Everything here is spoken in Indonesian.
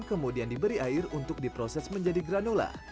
kemudian diberi air untuk diproses menjadi granula